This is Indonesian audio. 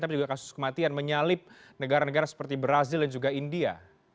tapi juga kasus kematian menyalip negara negara seperti brazil dan juga india